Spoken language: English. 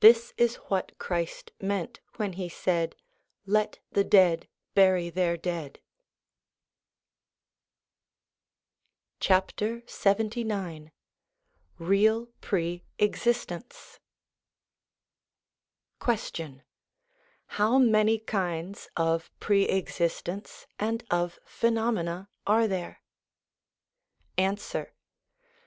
This is what Christ meant when he said ' Let the dead bury their dead.' LXXIX REAL PRE EXISTENCE Question. How many kinds of pre existence and of phenomena are there ? Answer.